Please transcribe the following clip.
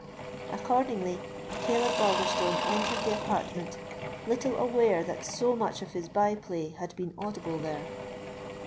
Accordingly, Caleb Balderstone entered the apartment, little aware that so much of his by play had been audible there.